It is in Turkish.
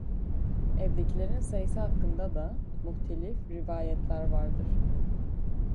Evdekilerin sayısı hakkında da muhtelif rivayetler vardır.